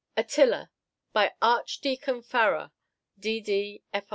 ] ATTILA By ARCHDEACON FARRAR, D.D., F.